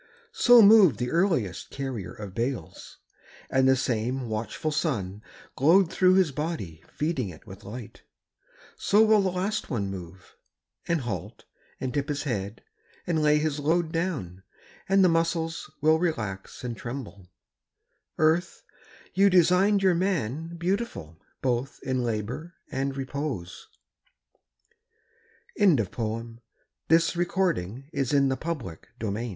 So moved the earliest carrier of bales, And the same watchful sun Glowed through his body feeding it with light. So will the last one move, And halt, and dip his head, and lay his load Down, and the muscles will relax and tremble. .. Earth, you designed your man Beautiful both in labour, and repose. PR.ESJ W. H. SMITH & SON STAMFORD STREET LONDON. S.